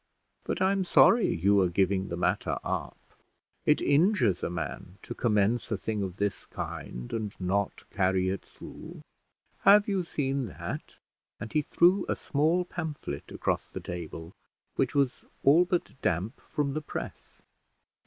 But I'm sorry you are giving the matter up. It injures a man to commence a thing of this kind, and not carry it through. Have you seen that?" and he threw a small pamphlet across the table, which was all but damp from the press.